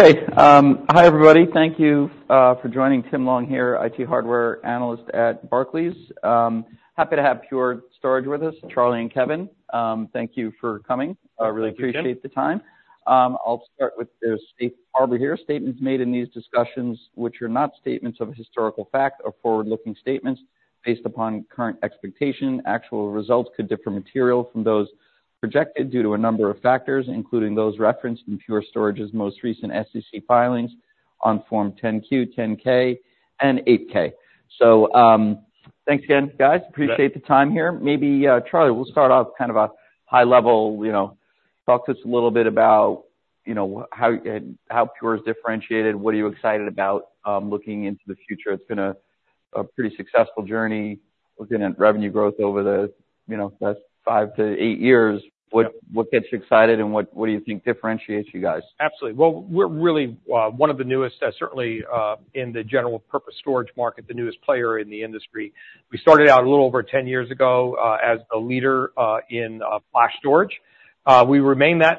Okay. Hi, everybody. Thank you for joining. Tim Long here, IT hardware analyst at Barclays. Happy to have Pure Storage with us, Charlie and Kevan. Thank you for coming. Thank you, Tim. I really appreciate the time. I'll start with the safe harbor here. Statements made in these discussions, which are not statements of a historical fact, are forward-looking statements based upon current expectations. Actual results could differ materially from those projected due to a number of factors, including those referenced in Pure Storage's most recent SEC filings on Form 10-Q, 10-K, and 8-K. So, thanks again, guys. Yeah. Appreciate the time here. Maybe, Charlie, we'll start off kind of a high level, you know, talk to us a little bit about, you know, how Pure is differentiated. What are you excited about looking into the future? It's been a pretty successful journey, looking at revenue growth over the, you know, last 5-8 years. Yeah. What, what gets you excited, and what, what do you think differentiates you guys? Absolutely. Well, we're really one of the newest, certainly, in the general purpose storage market, the newest player in the industry. We started out a little over 10 years ago, as a leader, in flash storage. We remain that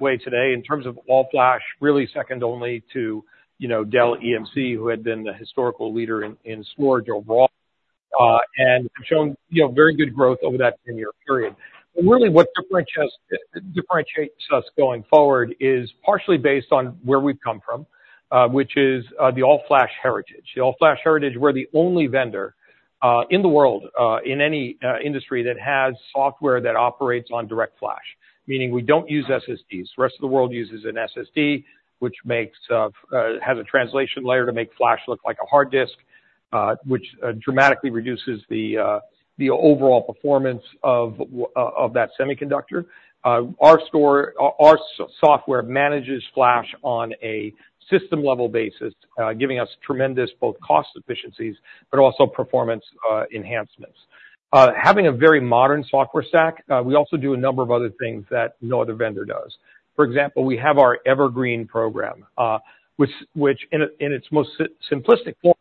way today in terms of all-flash, really second only to, you know, Dell EMC, who had been the historical leader in storage overall, and shown, you know, very good growth over that 10-year period. But really, what differentiates us going forward is partially based on where we've come from, which is the all-flash heritage. The all-flash heritage, we're the only vendor in the world, in any industry that has software that operates on DirectFlash, meaning we don't use SSDs. The rest of the world uses an SSD, which has a translation layer to make flash look like a hard disk, which dramatically reduces the overall performance of that semiconductor. Our software manages flash on a system-level basis, giving us tremendous both cost efficiencies, but also performance enhancements. Having a very modern software stack, we also do a number of other things that no other vendor does. For example, we have our Evergreen program, which in its most simplistic form,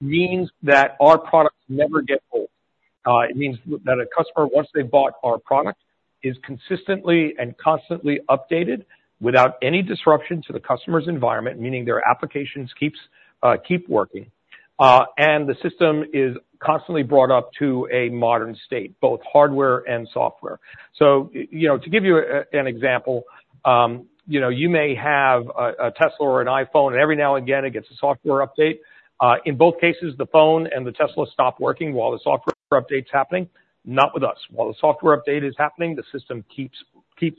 means that our products never get old. It means that a customer, once they've bought our product, is consistently and constantly updated without any disruption to the customer's environment, meaning their applications keep working. And the system is constantly brought up to a modern state, both hardware and software. So, you know, to give you an example, you know, you may have a Tesla or an iPhone, and every now and again, it gets a software update. In both cases, the phone and the Tesla stop working while the software update's happening. Not with us. While the software update is happening, the system keeps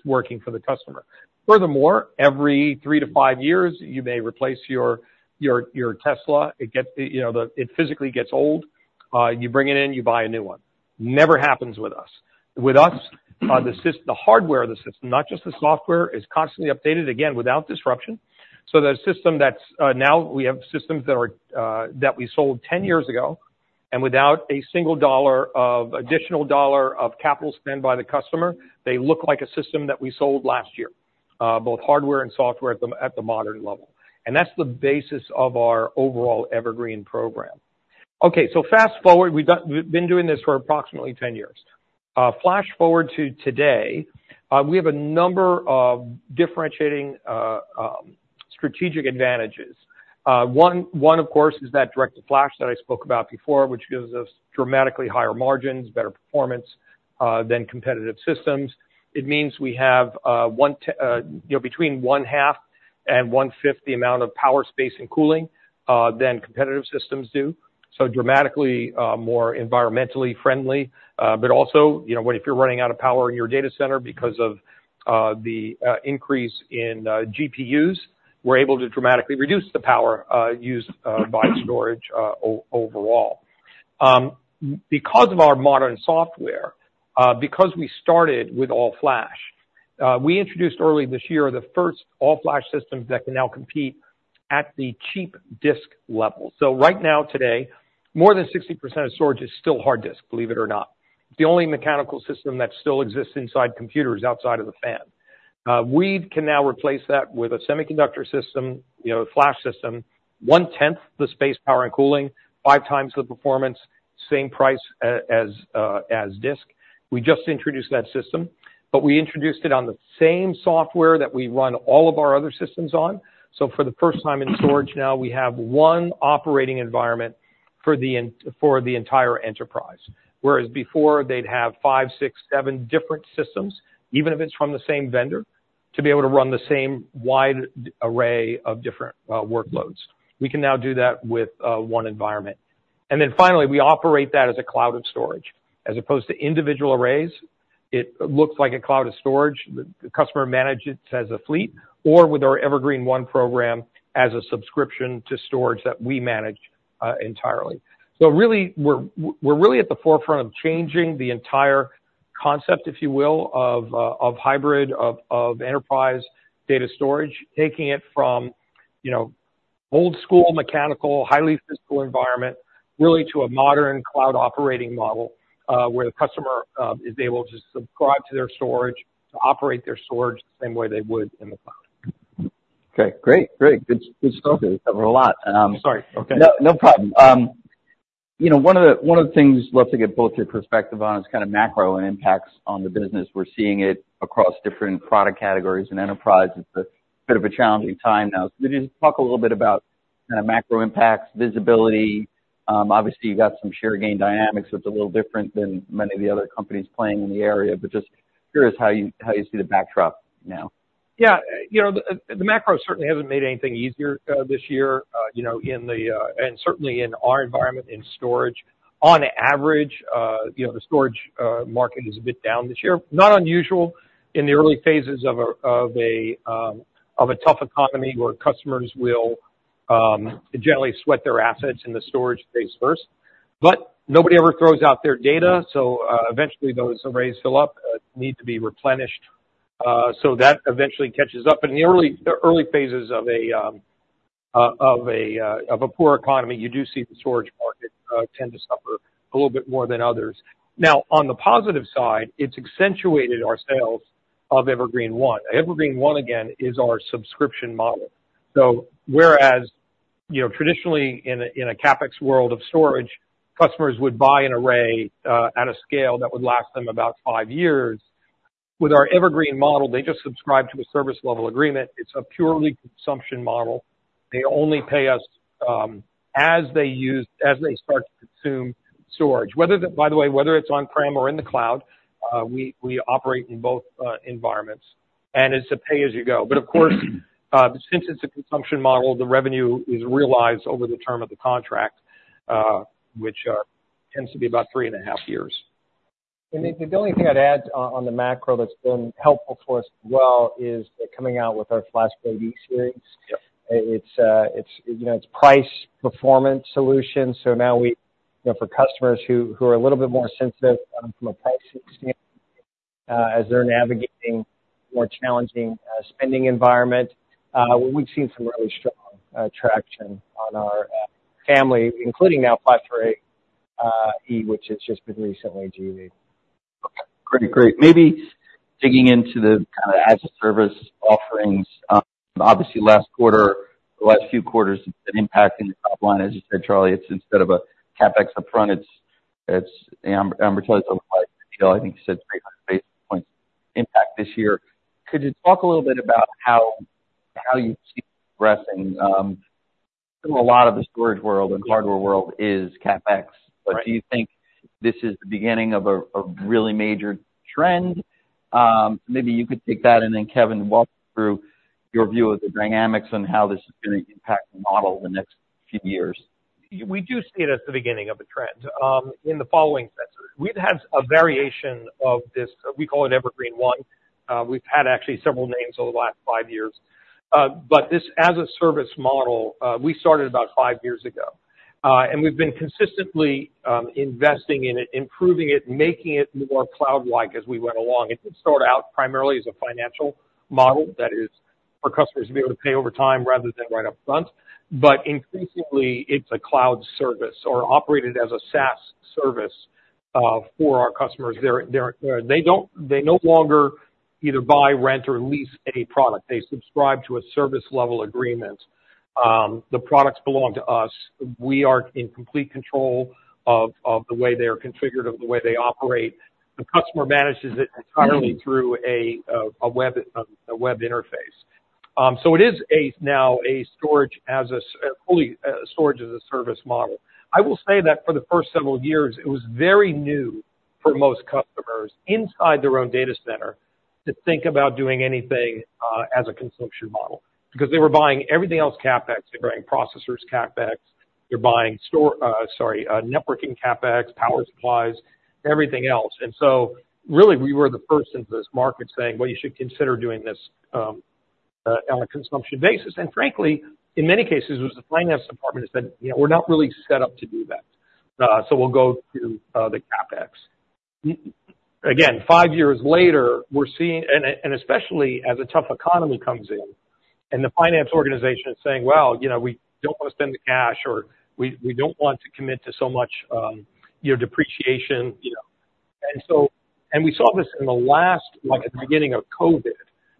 working for the customer. Furthermore, every three to five years, you may replace your Tesla. It gets, you know, it physically gets old. You bring it in, you buy a new one. Never happens with us. With us, the hardware of the system, not just the software, is constantly updated, again, without disruption. So the system that's... Now we have systems that we sold 10 years ago, and without a single dollar of additional capital spend by the customer, they look like a system that we sold last year, both hardware and software at the modern level. That's the basis of our overall Evergreen program. Okay, so fast-forward, we've been doing this for approximately 10 years. Flash forward to today, we have a number of differentiating strategic advantages. One, of course, is that DirectFlash that I spoke about before, which gives us dramatically higher margins, better performance than competitive systems. It means we have, you know, between one-half and one-fifth the amount of power, space, and cooling than competitive systems do, so dramatically more environmentally friendly. But also, you know, what if you're running out of power in your data center because of the increase in GPUs, we're able to dramatically reduce the power used by storage overall. Because of our modern software, because we started with all-flash, we introduced early this year, the first all-flash systems that can now compete at the cheap disk level. So right now, today, more than 60% of storage is still hard disk, believe it or not. The only mechanical system that still exists inside computers outside of the fan. We can now replace that with a semiconductor system, you know, a flash system, one-tenth the space, power, and cooling, five times the performance, same price as disk. We just introduced that system, but we introduced it on the same software that we run all of our other systems on. So for the first time in storage now, we have one operating environment for the entire enterprise, whereas before, they'd have five, six, seven different systems, even if it's from the same vendor, to be able to run the same wide array of different workloads. We can now do that with one environment. And then finally, we operate that as a cloud of storage. As opposed to individual arrays, it looks like a cloud of storage. The customer manages it as a fleet or with our Evergreen//One program as a subscription to storage that we manage entirely. So really, we're really at the forefront of changing the entire concept, if you will, of hybrid enterprise data storage, taking it from, you know, old school, mechanical, highly physical environment, really to a modern cloud operating model, where the customer is able to subscribe to their storage, to operate their storage the same way they would in the cloud. Okay, great, great. Good, good stuff. Covered a lot, Sorry. Okay. No, no problem. You know, one of the, one of the things I'd love to get both your perspective on is kind of macro impacts on the business. We're seeing it across different product categories and enterprises, but bit of a challenging time now. Could you just talk a little bit about kind of macro impacts, visibility? Obviously, you've got some share gain dynamics that's a little different than many of the other companies playing in the area, but just curious how you, how you see the backdrop now. Yeah. You know, the macro certainly hasn't made anything easier this year, you know, in the and certainly in our environment in storage. On average, you know, the storage market is a bit down this year. Not unusual in the early phases of a tough economy, where customers will generally sweat their assets in the storage space first, but nobody ever throws out their data, so eventually, those arrays fill up, need to be replenished. So that eventually catches up. In the early phases of a poor economy, you do see the storage market tend to suffer a little bit more than others. Now, on the positive side, it's accentuated our sales of Evergreen//One. Evergreen//One, again, is our subscription model. So whereas, you know, traditionally in a CapEx world of storage, customers would buy an array at a scale that would last them about 5 years. With our Evergreen model, they just subscribe to a service level agreement. It's a purely consumption model. They only pay us as they use as they start to consume storage. By the way, whether it's on-prem or in the cloud, we operate in both environments, and it's a pay as you go. But of course, since it's a consumption model, the revenue is realized over the term of the contract, which tends to be about 3.5 years. And the only thing I'd add on the macro that's been helpful for us as well is the coming out with our FlashArray//E. Yep. It's, you know, it's price performance solution, so now we... You know, for customers who are a little bit more sensitive, from a price standpoint, as they're navigating more challenging spending environment, we've seen some really strong traction on our family, including now FlashArray//E, which has just been recently GA'd. Okay. Pretty great. Maybe digging into the kind of as-a-service offerings. Obviously last quarter, the last few quarters have been impacting the top line. As you said, Charlie, it's instead of a CapEx up front, it's amortized over like, you know, I think you said 300 basis points impact this year. Could you talk a little bit about how you see it progressing? So a lot of the storage world and hardware world is CapEx. Right. But do you think this is the beginning of a really major trend? Maybe you could take that, and then, Kevan, walk through your view of the dynamics on how this is going to impact the model in the next few years. We do see it as the beginning of a trend in the following sense. We've had a variation of this, we call it Evergreen//One. We've had actually several names over the last 5 years. But this as a service model, we started about 5 years ago, and we've been consistently investing in it, improving it, making it more cloud-like as we went along. It started out primarily as a financial model, that is, for customers to be able to pay over time rather than right up front. But increasingly, it's a cloud service or operated as a SaaS service for our customers. They no longer either buy, rent, or lease a product. They subscribe to a service level agreement. The products belong to us. We are in complete control of the way they are configured, of the way they operate. The customer manages it entirely through a web interface. So it is now a storage as a service model. I will say that for the first several years, it was very new for most customers inside their own data center to think about doing anything as a consumption model, because they were buying everything else CapEx. They're buying processors, CapEx. They're buying networking CapEx, power supplies, everything else. Really, we were the first into this market saying, "Well, you should consider doing this on a consumption basis." And frankly, in many cases, it was the finance department that said, "You know, we're not really set up to do that, so we'll go to the CapEx." Again, five years later, we're seeing... And especially as a tough economy comes in, and the finance organization is saying: Well, you know, we don't want to spend the cash, or we don't want to commit to so much, you know, depreciation, you know. And so, and we saw this in the last, like, at the beginning of COVID,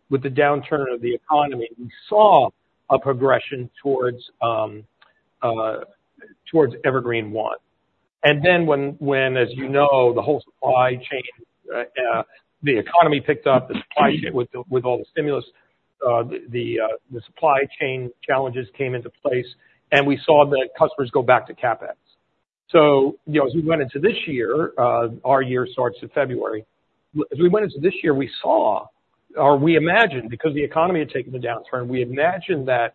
with the downturn of the economy, we saw a progression towards Evergreen//One. And then, as you know, when the whole supply chain, the economy picked up, the supply chain with all the stimulus, the supply chain challenges came into place, and we saw the customers go back to CapEx. So, you know, as we went into this year, our year starts in February. As we went into this year, we saw or we imagined, because the economy had taken a downturn, we imagined that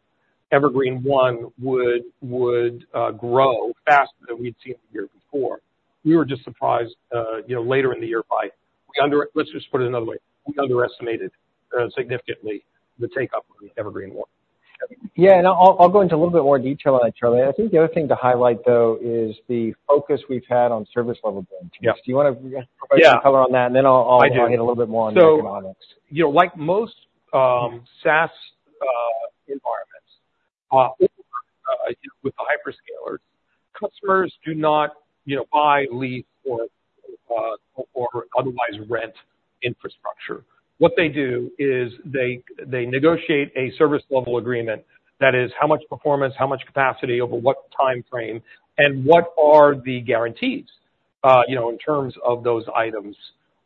Evergreen//One would grow faster than we'd seen the year before. We were just surprised, you know, later in the year. Let's just put it another way. We underestimated significantly the take-up on Evergreen//One. Yeah, and I'll, I'll go into a little bit more detail on that, Charlie. I think the other thing to highlight, though, is the focus we've had on service level agreements. Yeah. Do you wanna- Yeah. Provide some color on that, and then I'll- I do... dig a little bit more on the economics. So, you know, like most SaaS environments with the hyperscalers, customers do not, you know, buy, lease, or otherwise rent infrastructure. What they do is they, they negotiate a service level agreement that is how much performance, how much capacity, over what time frame, and what are the guarantees, you know, in terms of those items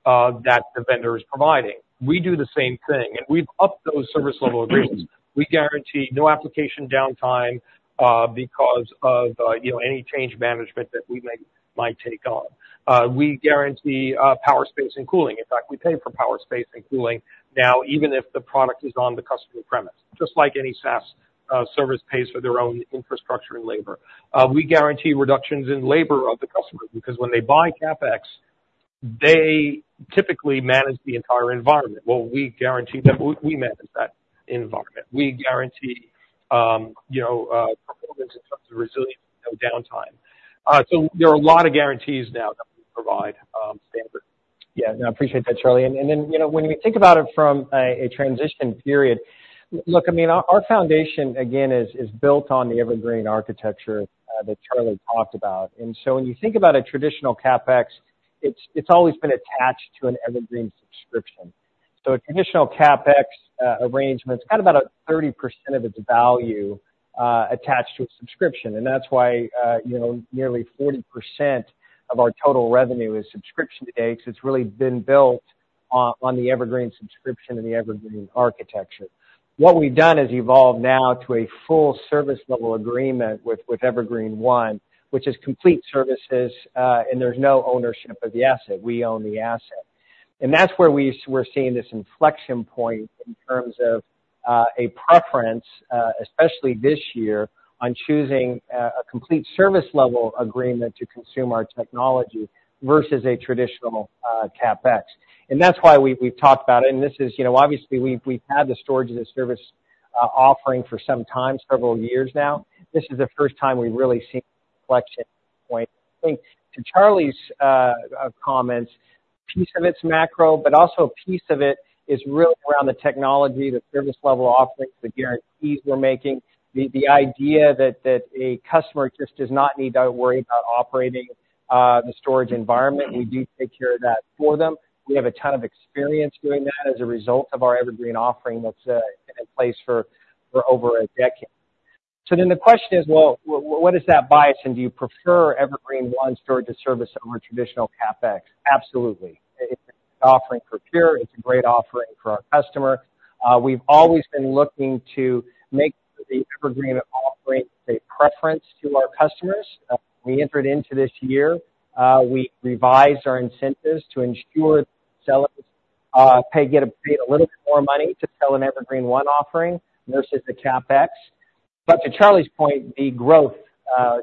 that the vendor is providing? We do the same thing, and we've upped those service level agreements. We guarantee no application downtime because of, you know, any change management that we make, might take on. We guarantee power, space, and cooling. In fact, we pay for power, space, and cooling now, even if the product is on the customer premise, just like any SaaS service pays for their own infrastructure and labor. We guarantee reductions in labor of the customer, because when they buy CapEx, they typically manage the entire environment. Well, we guarantee them we manage that environment. We guarantee, you know, performance in terms of resilience, no downtime. So there are a lot of guarantees now that we provide, standard. Yeah, I appreciate that, Charlie. And then, you know, when we think about it from a transition period, look, I mean, our foundation, again, is built on the Evergreen architecture that Charlie talked about. And so when you think about a traditional CapEx, it's always been attached to an Evergreen subscription. So a traditional CapEx arrangement, it's got about 30% of its value attached to a subscription, and that's why, you know, nearly 40% of our total revenue is subscription today, because it's really been built on the Evergreen subscription and the Evergreen architecture. What we've done is evolved now to a full service level agreement with Evergreen//One, which is complete services, and there's no ownership of the asset. We own the asset. And that's where we're seeing this inflection point in terms of a preference, especially this year, on choosing a complete service level agreement to consume our technology versus a traditional CapEx. And that's why we've talked about it, and this is you know, obviously, we've had the storage as a service offering for some time, several years now. This is the first time we've really seen inflection point. I think to Charlie's comments, piece of it's macro, but also a piece of it is really around the technology, the service level offerings, the guarantees we're making, the idea that a customer just does not need to worry about operating the storage environment. We do take care of that for them. We have a ton of experience doing that as a result of our Evergreen offering that's been in place for over a decade. So then the question is: Well, what is that bias, and do you prefer Evergreen//One storage as a service or traditional CapEx? Absolutely. It's offering for Pure, it's a great offering for our customer. We've always been looking to make the Evergreen offering a preference to our customers. We entered into this year, we revised our incentives to ensure sellers get paid a little bit more money to sell an Evergreen//One offering versus the CapEx. But to Charlie's point, the growth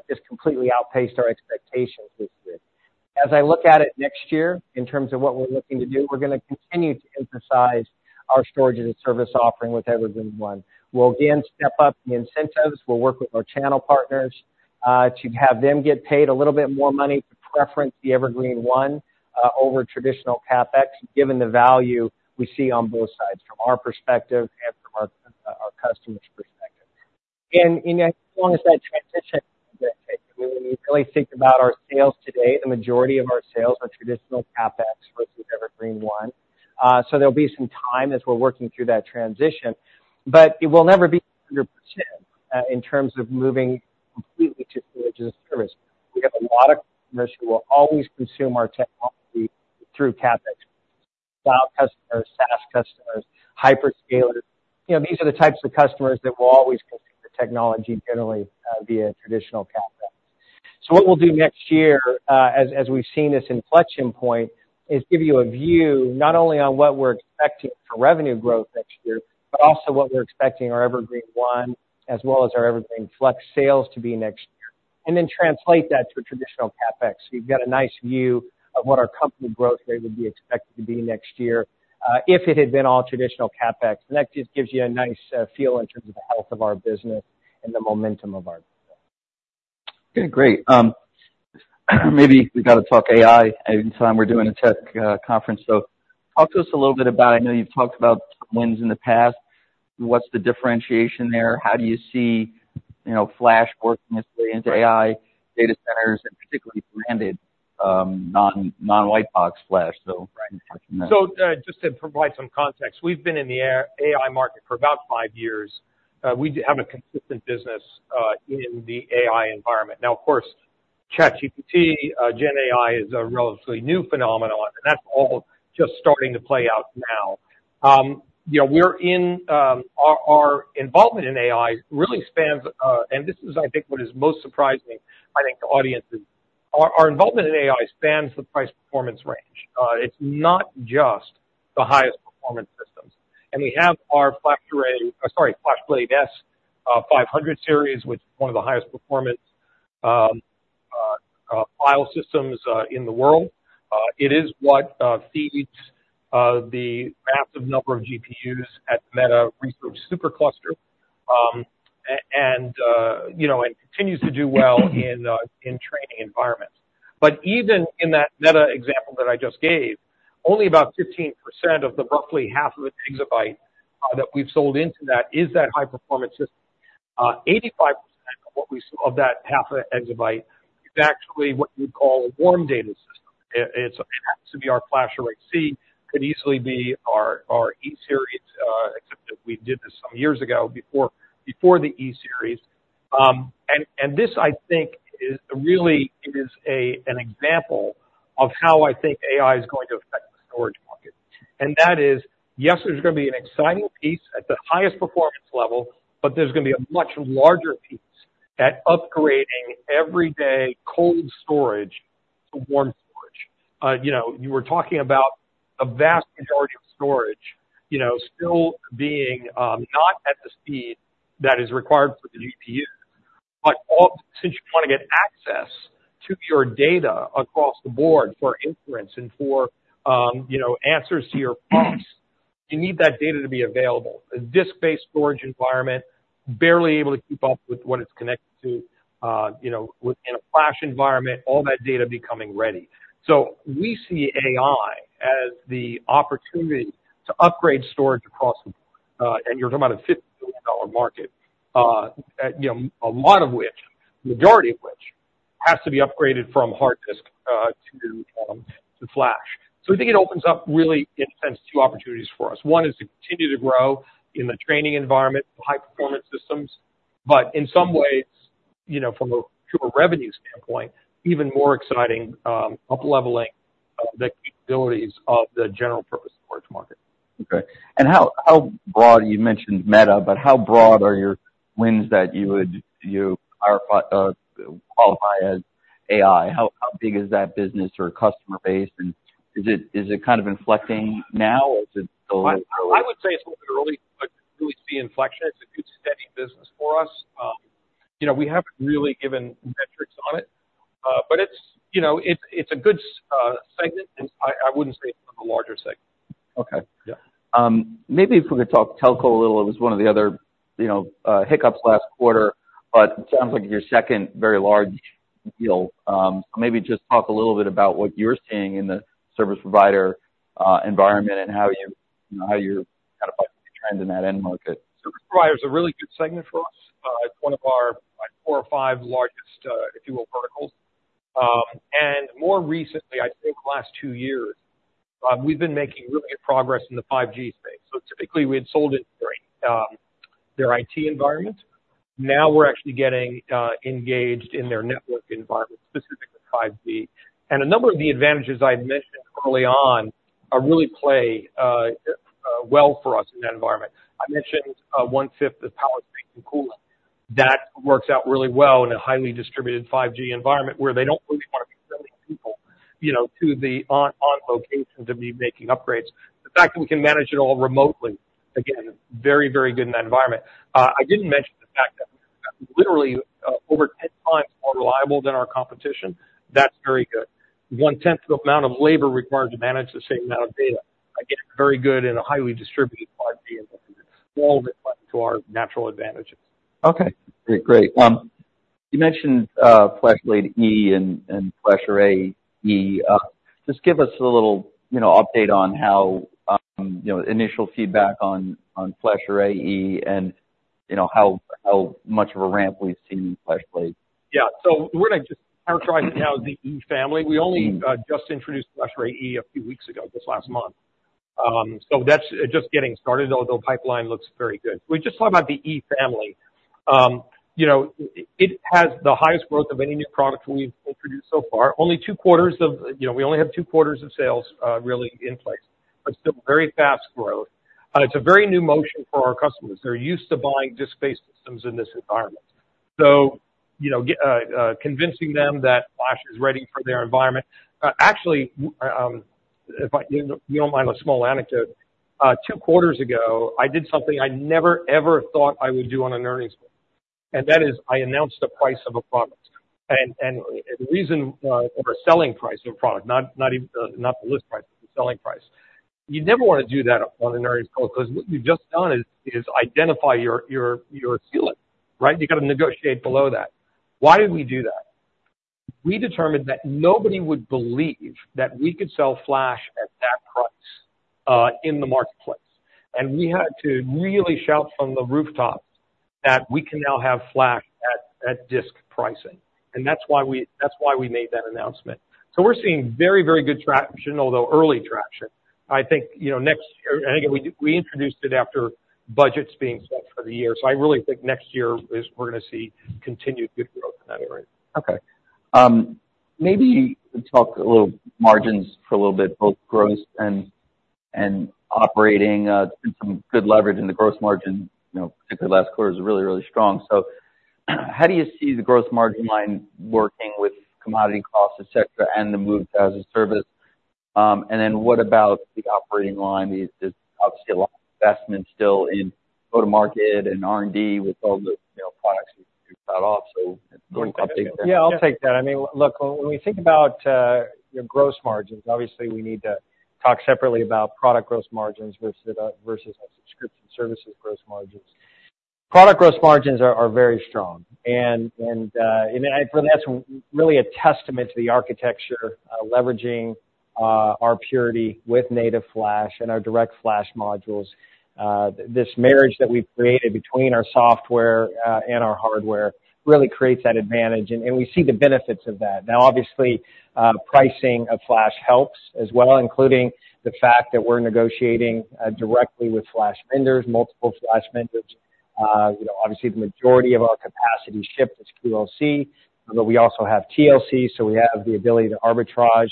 just completely outpaced our expectations this year. As I look at it next year, in terms of what we're looking to do, we're going to continue to emphasize our storage as a service offering with Evergreen//One. We'll again step up the incentives. We'll work with our channel partners to have them get paid a little bit more money to preference the Evergreen//One over traditional CapEx, given the value we see on both sides, from our perspective and from our customer's perspective. And as long as that transition, when we really think about our sales today, the majority of our sales are traditional CapEx versus Evergreen//One. So there'll be some time as we're working through that transition, but it will never be 100% in terms of moving completely to storage as a service. We have a lot of customers who will always consume our technology through CapEx style customers, SaaS customers, hyperscalers. You know, these are the types of customers that will always consume the technology generally via traditional CapEx. So what we'll do next year, as we've seen this inflection point, is give you a view not only on what we're expecting for revenue growth next year, but also what we're expecting our Evergreen//One, as well as our Evergreen//Flex sales to be next year, and then translate that to a traditional CapEx. You've got a nice view of what our company growth rate would be expected to be next year, if it had been all traditional CapEx. And that just gives you a nice feel in terms of the health of our business and the momentum of our business. Okay, great. Maybe we've got to talk AI anytime we're doing a tech conference. So talk to us a little bit about it. I know you've talked about wins in the past. What's the differentiation there? How do you see, you know, Flash working its way into AI data centers, and particularly branded, non-white box Flash, so- Right. You mentioned that. So, just to provide some context, we've been in the AI market for about five years. We have a consistent business in the AI environment. Now, of course, ChatGPT, GenAI is a relatively new phenomenon, and that's all just starting to play out now. You know, our involvement in AI really spans, and this is, I think, what is most surprising, I think, to audiences. Our involvement in AI spans the price performance range. It's not just the highest performance systems. And we have our FlashArray, sorry, FlashBlade//S 500 series, which is one of the highest performance file systems in the world. It is what feeds the massive number of GPUs at Meta's AI Research SuperCluster. and continues to do well in, you know, in training environments. But even in that Meta example that I just gave, only about 15% of the roughly 0.5 exabytes that we've sold into that is that high performance system.... 85% of what we of that 0.5 EB is actually what you'd call a warm data system. It appears to be our FlashArray//C, could easily be our, our E Series, except that we did this some years ago before the E Series. And this, I think, really is a, an example of how I think AI is going to affect the storage market. And that is, yes, there's gonna be an exciting piece at the highest performance level, but there's gonna be a much larger piece at upgrading everyday cold storage to warm storage. You know, you were talking about a vast majority of storage, you know, still being not at the speed that is required for the new GPUs. But since you wanna get access to your data across the board for inference and for, you know, answers to your prompts, you need that data to be available. A disk-based storage environment, barely able to keep up with what it's connected to, you know, within a flash environment, all that data becoming ready. So we see AI as the opportunity to upgrade storage across the board, and you're talking about a $50 billion market, at, you know, a lot of which, majority of which, has to be upgraded from hard disk, to, to Flash. So I think it opens up really, in a sense, two opportunities for us. One is to continue to grow in the training environment, the high-performance systems, but in some ways, you know, from a pure revenue standpoint, even more exciting, upleveling the capabilities of the general purpose storage market. Okay. And how, how broad you mentioned Meta, but how broad are your wins that you would, you are, qualify as AI? How, how big is that business or customer base, and is it, is it kind of inflecting now, or is it still early? I would say it's a little bit early, but really see inflection. It's a good, steady business for us. You know, we haven't really given metrics on it, but it's, you know, it's a good segment, and I wouldn't say it's one of the larger segments. Okay. Yeah. Maybe if we could talk telco a little. It was one of the other, you know, hiccups last quarter, but it sounds like your second very large deal. Maybe just talk a little bit about what you're seeing in the service provider environment and how you, you know, how you're identifying the trend in that end market. Service provider is a really good segment for us. It's one of our, like, four or five largest, if you will, verticals. And more recently, I think last two years, we've been making really good progress in the 5G space. So typically, we had sold it, their IT environment. Now we're actually getting engaged in their network environment, specifically with 5G. And a number of the advantages I mentioned early on, really play well for us in that environment. I mentioned one-fifth of power savings and cooling. That works out really well in a highly distributed 5G environment, where they don't really want to be sending people, you know, to the on location to be making upgrades. The fact that we can manage it all remotely, again, very, very good in that environment. I didn't mention the fact that literally, over 10 times more reliable than our competition, that's very good. One-tenth the amount of labor required to manage the same amount of data. Again, very good in a highly distributed 5G environment. All of it to our natural advantages. Okay. Great, great. You mentioned FlashBlade//E and FlashArray//E. Just give us a little, you know, update on how you know initial feedback on FlashArray//E and, you know, how much of a ramp we see FlashBlade? Yeah. So we're gonna just characterize it now as the E family. Mm-hmm. We only just introduced FlashArray//E a few weeks ago, this last month. So that's just getting started, although pipeline looks very good. We just talked about the E family. You know, it has the highest growth of any new product we've introduced so far. Only two quarters of sales. You know, we only have two quarters of sales really in place, but still very fast growth. It's a very new motion for our customers. They're used to buying disk-based systems in this environment. So, you know, convincing them that Flash is ready for their environment. Actually, if you don't mind a small anecdote, two quarters ago, I did something I never, ever thought I would do on an earnings call, and that is, I announced the price of a product. The reason for selling price of a product, not even the list price, but the selling price. You never want to do that on an earnings call, because what you've just done is identify your ceiling, right? You've got to negotiate below that. Why did we do that? We determined that nobody would believe that we could sell Flash at that price in the marketplace, and we had to really shout from the rooftops that we can now have Flash at disk pricing. And that's why we made that announcement. So we're seeing very good traction, although early traction. I think, you know, next year. And again, we introduced it after budgets being set for the year. So I really think next year is we're gonna see continued good growth in that area. Okay. Maybe talk a little margins for a little bit, both gross and, and operating. There's been some good leverage in the gross margin, you know, particularly last quarter is really, really strong. So how do you see the gross margin line working with commodity costs, et cetera, and the move to as-a-service? And then what about the operating line? There's obviously a lot of investment still in go-to-market and R&D with all the, you know, products you've got off. So update that. Yeah, I'll take that. I mean, look, when we think about, your gross margins, obviously, we need to talk separately about product gross margins versus our subscription services gross margins. Product gross margins are very strong, and that's really a testament to the architecture, leveraging our Purity with native Flash and our DirectFlash modules. This marriage that we've created between our software and our hardware really creates that advantage, and we see the benefits of that. Now, obviously, pricing of flash helps as well, including the fact that we're negotiating directly with flash vendors, multiple flash vendors. You know, obviously, the majority of our capacity shipped is QLC, but we also have TLC, so we have the ability to arbitrage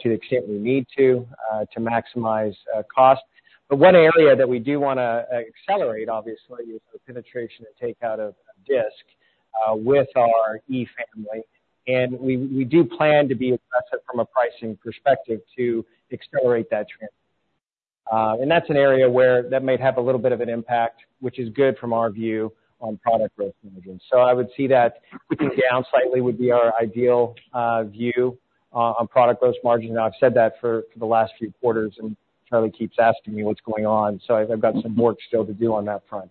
to the extent we need to to maximize cost. But one area that we do wanna accelerate, obviously, is the penetration and take out of disk with our E family. And we, we do plan to be aggressive from a pricing perspective to accelerate that trend. And that's an area where that might have a little bit of an impact, which is good from our view on product growth margins. So I would see that ticking down slightly would be our ideal view on product growth margin. Now, I've said that for the last few quarters, and Charlie keeps asking me what's going on, so I've, I've got some work still to do on that front.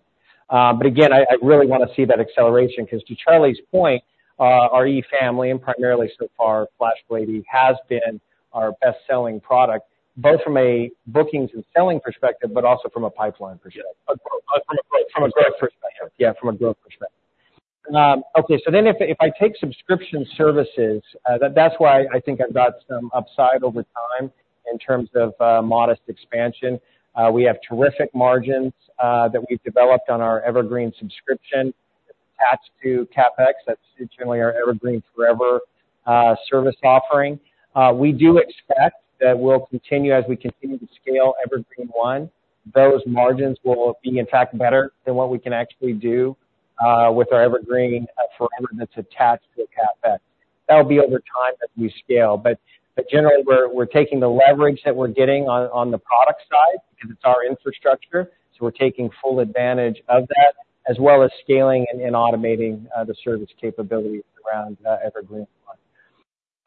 But again, I really want to see that acceleration, because to Charlie's point, our E family, and primarily so far, FlashBlade, has been our best-selling product, both from a bookings and selling perspective, but also from a pipeline perspective. Yeah, from a growth. From a growth perspective. Yeah, from a growth perspective. Okay, so then if I take subscription services, that's why I think I've got some upside over time in terms of modest expansion. We have terrific margins that we've developed on our Evergreen subscription attached to CapEx. That's generally our Evergreen//Forever service offering. We do expect that we'll continue, as we continue to scale Evergreen//One, those margins will be, in fact, better than what we can actually do with our Evergreen//Forever, that's attached to the CapEx. That'll be over time as we scale, but generally, we're taking the leverage that we're getting on the product side, because it's our infrastructure, so we're taking full advantage of that, as well as scaling and automating the service capabilities around Evergreen//One.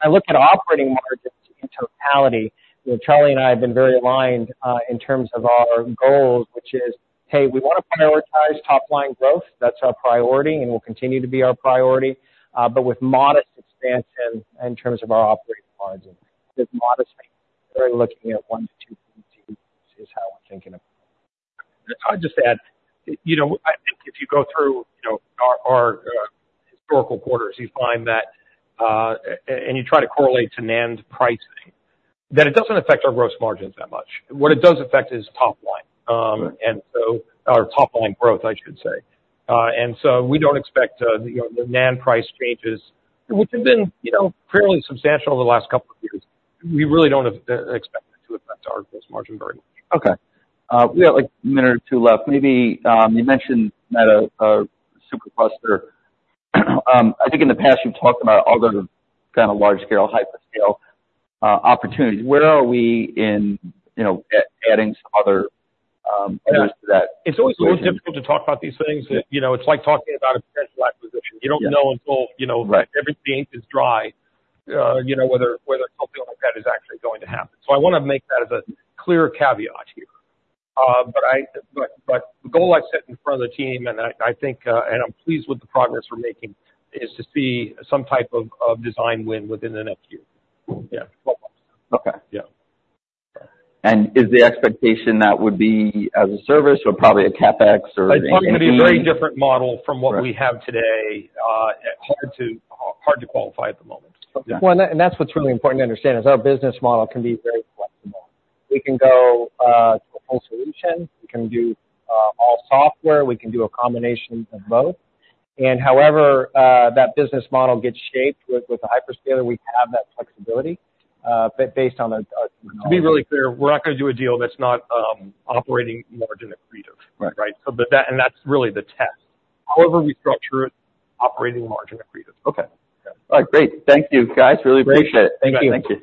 I look at operating margins in totality. You know, Charlie and I have been very aligned, in terms of our goals, which is, hey, we want to prioritize top line growth. That's our priority, and will continue to be our priority, but with modest expansion in terms of our operating margins. With modest, we're looking at 1-2, is how we're thinking about it. I'll just add, you know, I think if you go through, you know, our historical quarters, you find that, and you try to correlate to NAND's pricing, that it doesn't affect our gross margins that much. What it does affect is top line. And so our top line growth, I should say. And so we don't expect, you know, the NAND price changes, which have been, you know, fairly substantial over the last couple of years. We really don't expect it to affect our gross margin very much. Okay. We have, like, a minute or two left. Maybe you mentioned Meta SuperCluster. I think in the past, you've talked about other kind of large-scale, hyperscale opportunities. Where are we in, you know, adding some other others to that? It's always a little difficult to talk about these things. You know, it's like talking about a potential acquisition. Yes. You don't know until you know- Right... everything is dry, you know, whether something like that is actually going to happen. So I want to make that as a clear caveat here. But the goal I've set in front of the team, and I think and I'm pleased with the progress we're making, is to see some type of design win within the next year. Yeah. Okay. Yeah. Is the expectation that would be as a service or probably a CapEx or maybe- It's probably going to be a very different model from what we have today, hard to, hard to qualify at the moment. Well, and that's what's really important to understand, is our business model can be very flexible. We can go to a full solution, we can do all software, we can do a combination of both. And however that business model gets shaped with a hyperscaler, we have that flexibility based on the, To be really clear, we're not going to do a deal that's not operating margin accretive. Right. Right? So, but that, and that's really the test. However we structure it, operating margin accretive. Okay. All right, great. Thank you, guys. Really appreciate it. Thank you. Thanks.